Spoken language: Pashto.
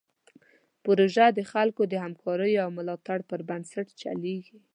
پروژه د خلکو د همکاریو او ملاتړ پر بنسټ چلیږي.